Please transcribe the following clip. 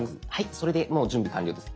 それでもう準備完了です。